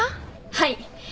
はい。